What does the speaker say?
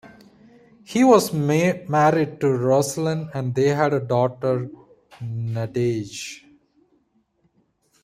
He was married to Roseline and they had a daughter Nadege.